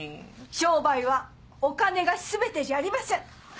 商売はお金がすべてじゃありません。